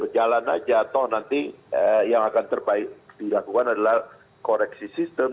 jalan aja toh nanti yang akan terbaik dilakukan adalah koreksi sistem